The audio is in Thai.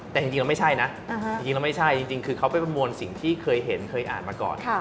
แต่จริงแล้วไม่ใช่นะจริงคือเขาไปประมวลสิ่งที่เคยเห็นเคยอ่านมาก่อน